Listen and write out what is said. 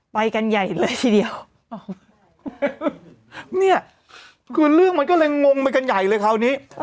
ไปกันใหญ่เลยทีเดียวเนี่ยคือเรื่องมันก็เลยงงไปกันใหญ่เลยคราวนี้